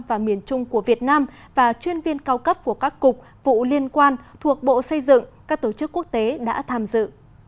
và miền trung của việt nam và chuyên viên cao cấp của các cục vụ liên quan thuộc bộ xây dựng các tổ chức quốc tế đã tham dự